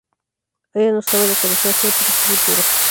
Ella no sabe lo que desea hacer para su futuro.